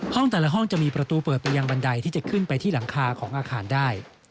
แต่ละห้องจะมีประตูเปิดไปยังบันไดที่จะขึ้นไปที่หลังคาของอาคารได้